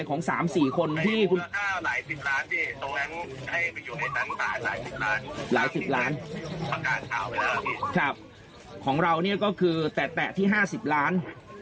หายของ๓๔คนที่หลายสิบล้านของเรานี่ก็คือแตะที่๕๐ล้าน